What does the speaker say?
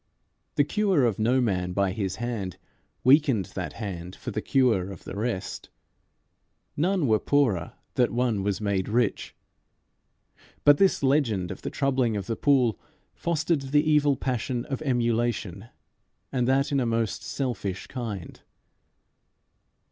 The cure of no man by his hand weakened that hand for the cure of the rest. None were poorer that one was made rich. But this legend of the troubling of the pool fostered the evil passion of emulation, and that in a most selfish kind.